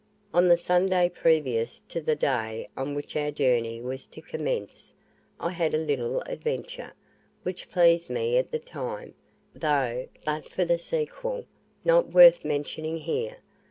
On the Sunday previous to the day on which our journey was to commence, I had a little adventure, which pleased me at the time, though, but for the sequel, not worth mentioning here.